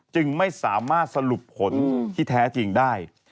จึงไม่สามารถสรุปผลที่แท้จริงได้